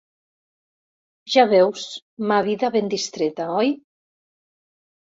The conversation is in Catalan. Ja veus, ma vida ben distreta, oi?